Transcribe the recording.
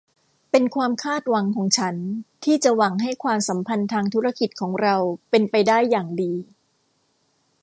เป็นความคาดหวังของฉันที่จะหวังให้ความสัมพันธ์ทางธุรกิจของเราเป็นไปได้อย่างดี